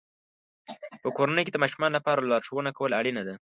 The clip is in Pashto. په کورنۍ کې د ماشومانو لپاره لارښوونه کول اړینه ده.